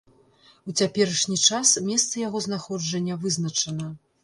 У цяперашні час месца яго знаходжання вызначана.